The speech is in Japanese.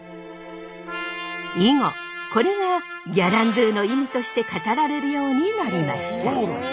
以後これがギャランドゥの意味として語られるようになりました。